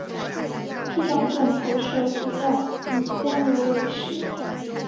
这种钝头蛇主要以蜗牛为食。